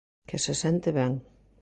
Que se sente ben.